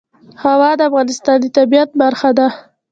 هوا د افغانستان د طبیعت برخه ده.